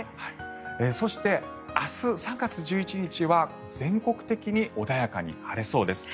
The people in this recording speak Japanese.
そして明日、３月１１日は全国的に穏やかに晴れそうです。